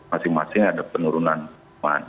masing masing ada penurunan